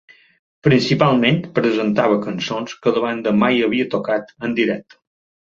Principalment presentava cançons que la banda mai havia tocat en directe.